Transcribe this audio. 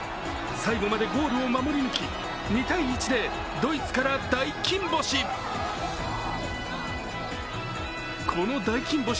最後までゴールを守り抜き２−１でドイツから大金星。